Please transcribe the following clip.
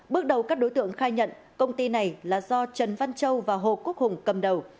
bước đầu các đối tượng khai nhận công ty này là do trần văn châu và hồ quốc hùng cầm đầu